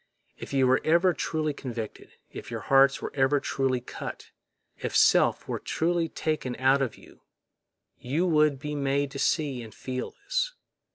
If you were ever truly convicted, if your hearts were ever truly cut, if self were truly taken out of you, you would be made to see and feel this.